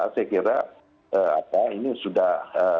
saya kira ini sudah